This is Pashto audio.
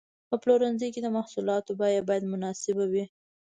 په پلورنځي کې د محصولاتو بیه باید مناسب وي.